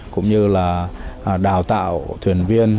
cũng như là đào tạo thuyền viên